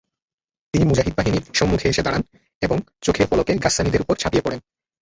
তিনি মুজাহিদ বাহিনীর সম্মুখে এসে দাঁড়ান এবং চোখের পলকে গাসসানীদের উপর ঝাঁপিয়ে পড়েন।